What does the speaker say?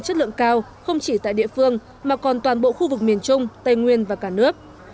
chất lượng cao không chỉ tại địa phương mà còn toàn bộ khu vực miền trung tây nguyên và cả nước